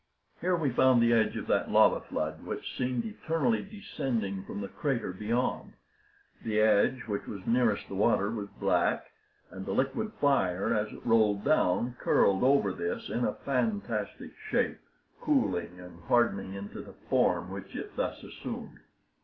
Here we found the edge of that lava flood which seemed eternally descending from the crater beyond. The edge which was nearest the water was black; and the liquid fire, as it rolled down, curled over this in a fantastic shape, cooling and hardening into the form which it thus assumed.